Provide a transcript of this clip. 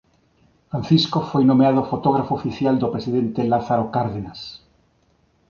Francisco foi nomeado fotógrafo oficial do presidente Lázaro Cárdenas.